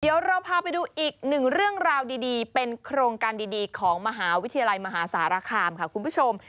เดี๋ยวเราพาไปดูอีกหนึ่งเรื่องราวดีเป็นโครงการดีของมหาวิทยาลัยมหาสารคามค่ะคุณผู้ชม